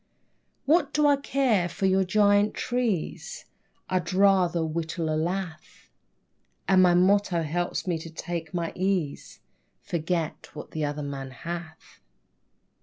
What do I care for your giant trees? I'd rather whittle a lath, And my motto helps me to take my ease; "Forget what the other man hath."